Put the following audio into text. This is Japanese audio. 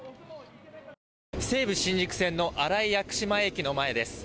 西武新宿線の新井薬師前駅の前です。